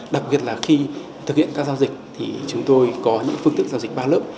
đặc biệt là khi thực hiện các giao dịch thì chúng tôi có những phương thức giao dịch ba lớp